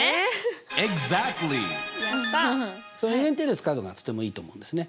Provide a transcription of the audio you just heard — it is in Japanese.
余弦定理を使うのがとてもいいと思うんですね。